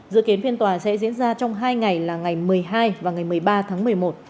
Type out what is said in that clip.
dự kiến phiên tòa sẽ diễn ra trong hai ngày là ngày một mươi hai và ngày một mươi ba tháng một mươi một